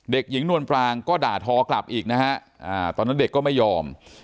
เด็กหญิงนวลปรางก็ด่าทอกลับอีกนะฮะตอนนั้นเด็กก็ไม่ยอม